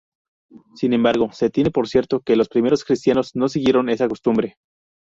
Sin embargo, se tiene por cierto que los primeros cristianos no siguieron esa costumbre.